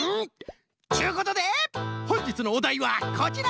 っちゅうことでほんじつのおだいはこちら！